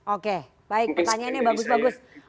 oke baik pertanyaannya bagus bagus